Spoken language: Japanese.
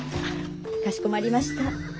・かしこまりました。